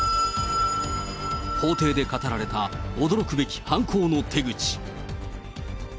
法廷で語られた驚くべき犯行の手口。